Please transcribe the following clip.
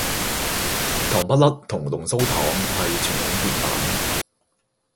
糖不甩同龍鬚糖係傳統甜品